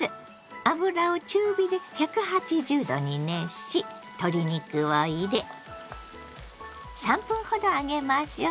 油を中火で１８０℃に熱し鶏肉を入れ３分ほど揚げましょう。